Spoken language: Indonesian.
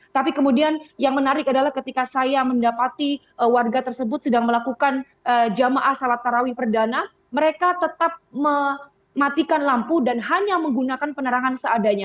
tapi kemudian yang menarik adalah ketika saya mendapati warga tersebut sedang melakukan jamaah salat tarawih perdana mereka tetap mematikan lampu dan hanya menggunakan penerangan seadanya